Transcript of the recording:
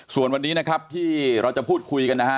ส่วนวันนี้นะครับที่เราจะพูดคุยกันนะฮะ